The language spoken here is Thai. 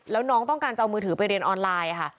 แล้วน้องต้องการจะเอามือถือไปเรียนออนไลน์ค่ะ